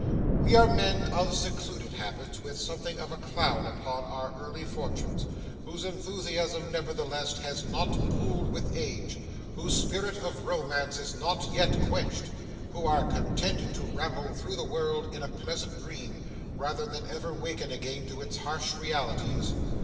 We are men of secluded habits, with something of a cloud upon our early fortunes, whose enthusiasm, nevertheless, has not cooled with age, whose spirit of romance is not yet quenched, who are content to ramble through the world in a pleasant dream, rather than ever waken again to its harsh realities.